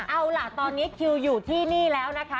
เอาล่ะตอนนี้คิวอยู่ที่นี่แล้วนะคะ